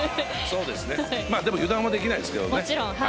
でも油断はできないですけどね。